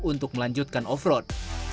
untuk melanjutkan off road